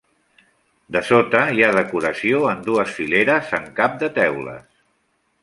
Dessota hi ha decoració en dues fileres amb cap de teules.